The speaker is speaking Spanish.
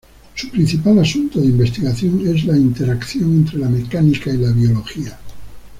Su principal asunto de investigación es la interacción entre la mecánica y la biología.